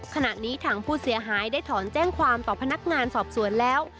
ขณะนี้ทางผู้เสียหายได้ถอนแจ้งความต่อพนักงานสอบสวนแล้ว